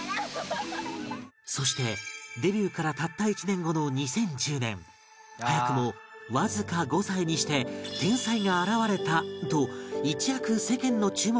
そしてデビューからたった１年後の２０１０年早くもわずか５歳にして天才が現れたと一躍世間の注目を浴びる事に